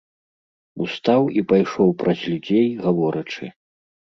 Устаў і пайшоў праз людзей, гаворачы.